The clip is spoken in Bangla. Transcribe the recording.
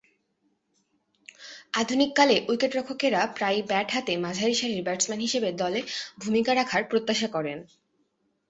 আধুনিককালে উইকেট-রক্ষকেরা প্রায়ই ব্যাট হাতে মাঝারিসারির ব্যাটসম্যান হিসেবে দলে ভূমিকা রাখার প্রত্যাশা করেন।